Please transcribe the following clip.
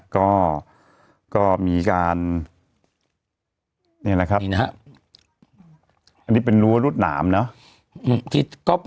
ก็ก็มีการนี่นะครับนี่นะฮะอันนี้เป็นรั้วรุดหนามเนอะอืมที่ก็